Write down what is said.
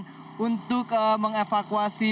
dan untuk mengevakuasi beton